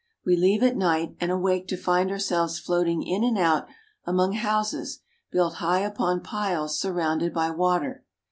We leave at night, and awake to find ourselves floating in and out among houses built high upon piles surrounded by water.